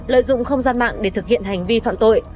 lợi dụng không gian mạng để thực hiện hành vi phạm tội